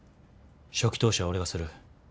初期投資は俺がする。